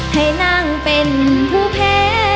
ให้นั่งเป็นผู้แพ้